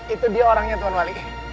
itu dia orangnya tuan wali